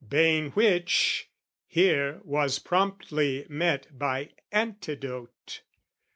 Bane Which, here, was promptly met by antidote.